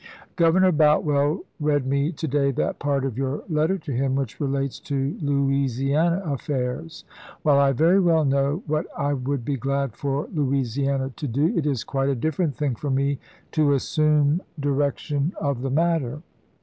Governor Boutwell read me to day that part of your letter to him which relates to Louisiana affairs. While I very well know what I would be glad for Louisiana to do, it is quite a different thing for me to assume direc tion of the matter.